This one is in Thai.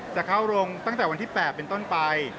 จะเข้าโรงตั้งแต่วันที่๘เป็นต้นไป